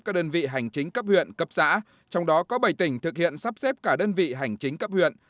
các đơn vị hành chính cấp huyện cấp xã trong đó có bảy tỉnh thực hiện sắp xếp cả đơn vị hành chính cấp huyện